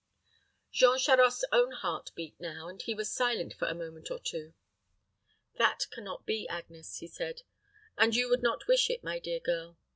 Jean Charost's own heart beat now; and he was silent for a moment or two. "That can not be, Agnes," he said, "and you would not wish it, my dear girl.